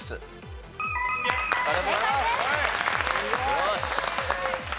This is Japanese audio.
よし！